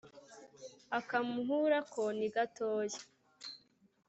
Aka Muhura ko ni gatoya.